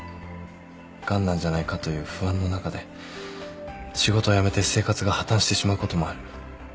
がんなんじゃないかという不安の中で仕事を辞めて生活が破綻してしまうこともある。